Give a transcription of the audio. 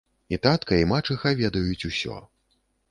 І татка і мачыха ведаюць усё.